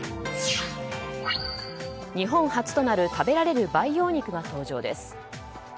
日本初となる食べられる培養肉が登場です。